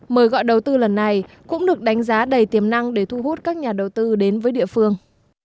mời gọi đầu tư lần này cũng được đánh giá đầy tiềm năng để thu hút các nhà đầu tư đến với địa phương